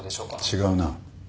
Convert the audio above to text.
違うな。